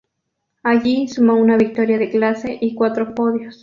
Allí sumó una victoria de clase y cuatro podios.